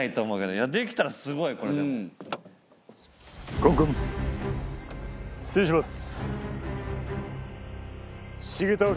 コンコン失礼します